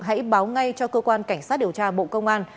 hãy báo ngay cho cơ quan cảnh sát điều tra bộ công an